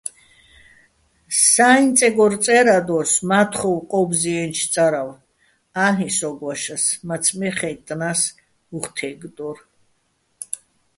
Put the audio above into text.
საჲიჼ წეგორ წე́რადოს მა́თხოვ ყო́ბზჲიენჩო̆ წარავ - ა́ლ'იჼ სო́გო̆ ვაშას, მაცმე́ ხაჲტტნა́ს, უ̂ხ თე́გდო́რ.